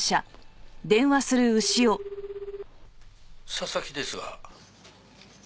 「佐々木ですが」